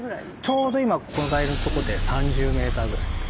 ちょうど今いるとこで３０ｍぐらい。